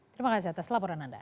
terima kasih atas laporan anda